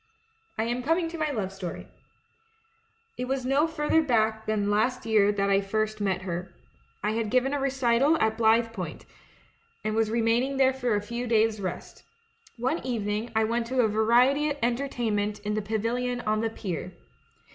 "I am cominoj to mv love story. It was no further back than last year that I first met her. I ft had given a recital at Blithepoint, and was re 184 THE MAN WHO UNDERSTOOD WOMEN maining there for a few days' rest. One evening I went to a variety entertainment in the pavilion on the pier.